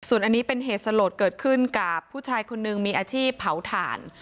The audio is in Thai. ส่วนอันนี้เป็นเหตุสลดเกิดขึ้นกับผู้ชายคนนึงมีอาชีพเผาถ่าน